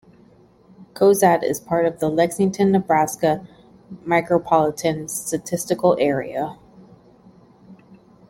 Cozad is part of the Lexington, Nebraska Micropolitan Statistical Area.